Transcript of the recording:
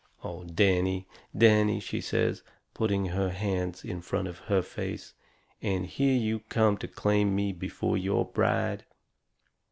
"Oh, Danny, Danny," she says, putting her hands in front of her face, "and here you have come to claim me for your bride!"